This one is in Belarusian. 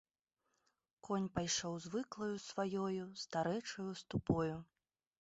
Конь пайшоў звыклаю сваёю старэчаю ступою.